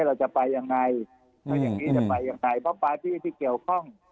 เราจะไปยังไงเราจะไปอย่างไหนเพราะประเทศที่เกี่ยวข้อง